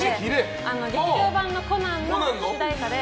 劇場版の「コナン」の主題歌で。